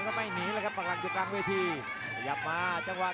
จังหวาดึงซ้ายตายังดีอยู่ครับเพชรมงคล